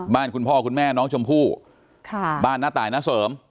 คุณพ่อคุณแม่น้องชมพู่บ้านน้าตายน้าเสริม